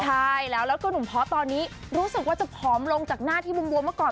ใช่แล้วแล้วก็หนุ่มพอสตอนนี้รู้สึกว่าจะผอมลงจากหน้าที่บวมเมื่อก่อน